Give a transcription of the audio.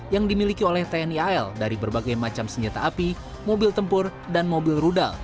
yang dimiliki oleh tni al dari berbagai macam senjata api mobil tempur dan mobil rudal